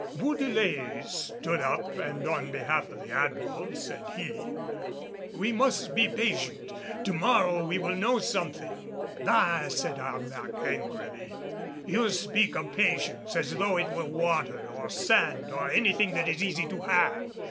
Bourdelais stood up and on behalf of the Admiral, said he, "We must be patient. To morrow we will know something." "Bah!" said Arlac, angrily, "you speak of patience as though it were water or sand or anything that is easy to have.